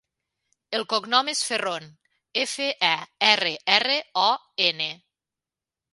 El cognom és Ferron: efa, e, erra, erra, o, ena.